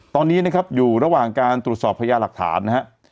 ตอนนี้นะครับอยู่ระหว่างการตรวจสอบพญาหลักฐานนะครับ